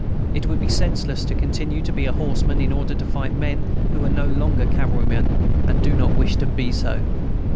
It would be senseless to continue to be a horseman in order to fight men who are no longer cavalrymen and do not wish to be so.